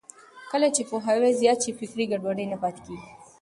کله چې پوهاوی زیات شي، فکري ګډوډي نه پاتې کېږي.